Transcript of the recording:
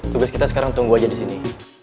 tugas kita sekarang tunggu aja disini